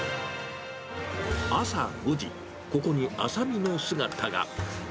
朝５時、ここに浅見の姿が。